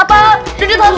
apa dudut aku